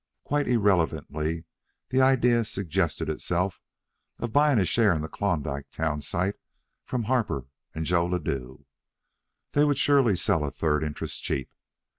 Quite irrelevantly the idea suggested itself of buying a share in the Klondike town site from Harper and Joe Ladue. They would surely sell a third interest cheap.